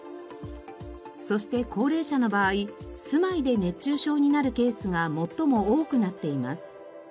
そして高齢者の場合住まいで熱中症になるケースが最も多くなっています。